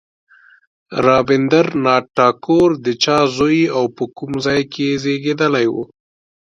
رابندر ناته ټاګور د چا زوی او په کوم ځای کې زېږېدلی و.